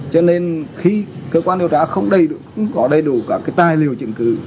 cho nên khi cơ quan điều trá không có đầy đủ các cái tài liệu chứng cứ